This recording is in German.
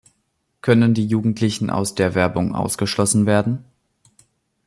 Können die Jugendlichen aus der Werbung ausgeschlossen werden?